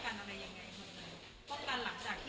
ที่ป้องกันอะไรยังไงครับ